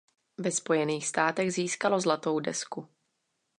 Ve spojených státech získalo zlatou desku.